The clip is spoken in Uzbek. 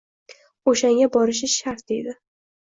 O`shanga borishi shart deydi